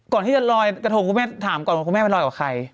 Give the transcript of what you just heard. ก่อนที่จะลอยถามครับคุณแม่ไปลอยกับใคร